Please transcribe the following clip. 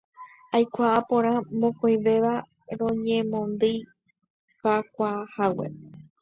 Aikuaa porã mokõivéva roñemondyikakuaahague.